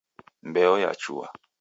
Mbeo yachua